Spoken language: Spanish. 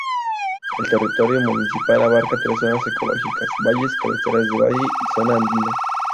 El territorio municipal abarca tres zonas ecológicas: valles, cabeceras de valle y zona andina.